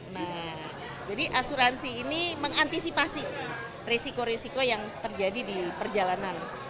nah jadi asuransi ini mengantisipasi resiko resiko yang terjadi di perjalanan